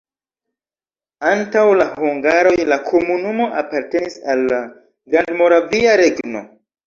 Antaŭ la hungaroj la komunumo apartenis al la Grandmoravia Regno.